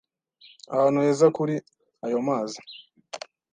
ahantu heza kuri ayo mazi. ”